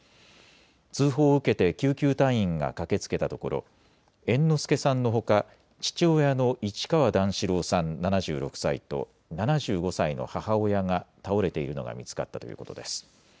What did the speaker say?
通報を受けて救急隊員が駆けつけたところ猿之助さんのほか父親の市川段四郎さん７６歳と７５歳の母親が倒れているのが見つかったということです。